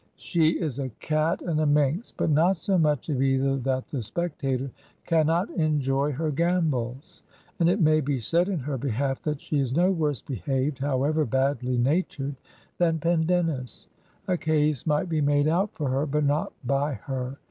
She is a cat and a minx, but not so much of either that the spectator cannot enjoy her gambols; and it may be said in her behalf that she is no worse behaved, how ever badly natured, than Pendennis. A case might be made out for her, but not by her.